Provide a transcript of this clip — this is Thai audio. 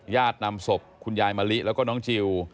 นำศพคุณยายมะลิแล้วก็น้องจิล